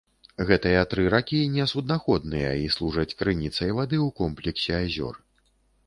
Гэтыя тры ракі не суднаходныя і служаць крыніцай вады ў комплексе азёр.